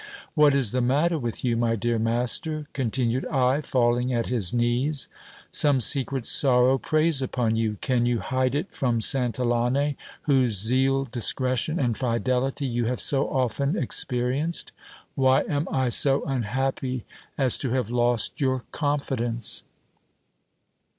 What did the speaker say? What is the matter with you, my dear master ? continued I, falling at his knees : some secret sorrow preys upon you : can you hide it from Santillane, whose zeal, discretion, and fidelity you have so often expe rienced ? Why am I so unhappy as to have lost your confidence